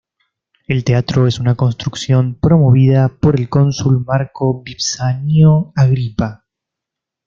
El teatro es una construcción promovida por el cónsul Marco Vipsanio Agripa.